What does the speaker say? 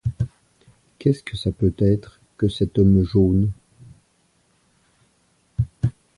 Qu'est-ce que ça peut être que cet homme jaune?